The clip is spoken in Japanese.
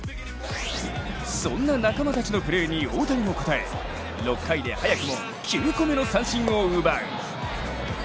そんな仲間たちのプレーに大谷も応え６回で早くも９個目の三振を奪う。